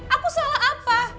aku salah apa